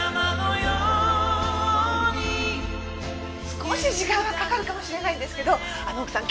少し時間はかかるかもしれないんですけどあの奥さん